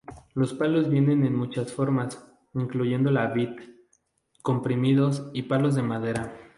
Los palos vienen en muchas formas, incluyendo la vid, comprimidos y palos de madera.